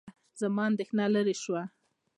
زما اندېښنه لیرې شوه.